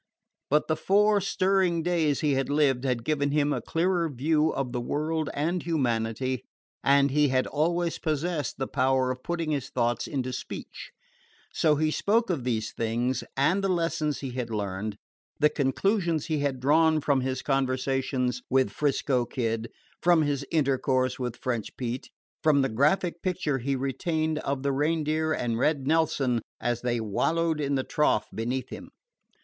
But the four stirring days he had lived had given him a clearer view of the world and humanity, and he had always possessed the power of putting his thoughts into speech; so he spoke of these things and the lessons he had learned the conclusions he had drawn from his conversations with 'Frisco Kid, from his intercourse with French Pete, from the graphic picture he retained of the Reindeer and Red Nelson as they wallowed in the trough beneath him.